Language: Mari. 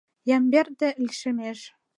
Ямберде лишемеш.